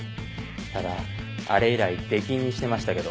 ただあれ以来出禁にしてましたけど。